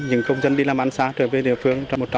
những công dân đi làm ăn xá trở về địa phương